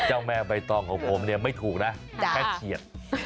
เจ้าแม่ใบตองของผมเนี่ยไม่ถูกนะแค่เฉียด